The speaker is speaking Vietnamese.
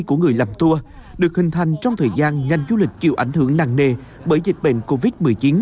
của người làm tour được hình thành trong thời gian ngành du lịch chịu ảnh hưởng nặng nề bởi dịch bệnh covid một mươi chín